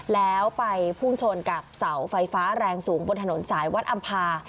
แล้วไปพุ่งชนกับเสาไฟฟ้าแรงสูงบนถนนสายวัดอำภา